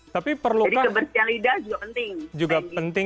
jadi kebersihan lidah juga penting